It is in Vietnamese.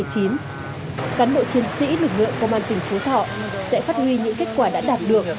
cán bộ chiến sĩ lực lượng công an tỉnh phú thọ sẽ phát huy những kết quả đã đạt được